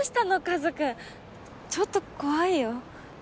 和くんちょっと怖いよ？